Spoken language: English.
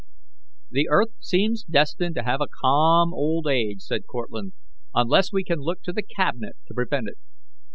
"The earth seems destined to have a calm old age," said Cortlandt, "unless we can look to the Cabinet to prevent it."